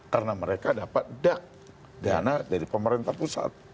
karena mereka dapat dak dana dari pemerintah pusat